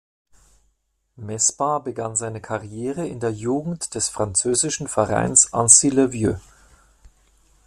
Mesbah begann seine Karriere in der Jugend des französischen Vereins Annecy-le-Vieux.